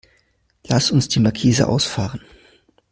Lass uns die Markise ausfahren.